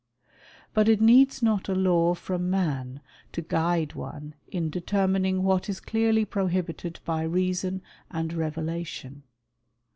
But it needs not a law from man to guide one in determining what is clearly prohibited by reason and revelation.